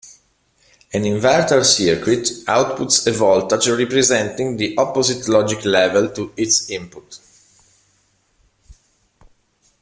An inverter circuit outputs a voltage representing the opposite logic-level to its input.